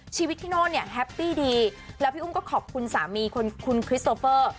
ชีวิตที่โน่นเนี่ยแฮปปี้ดีแล้วพี่อุ้มก็ขอบคุณสามีคุณคริสโตเฟอร์